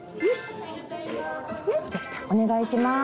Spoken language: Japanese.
お願いします。